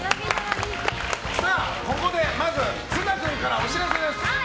ここでまずは綱君からお知らせです。